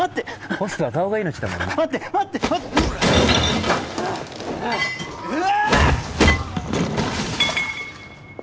ホストは顔が命だもんな待って待って待ってうわ